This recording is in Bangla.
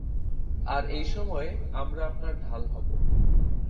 আর এই সময়ে, আমরা আপনার ঢাল হব।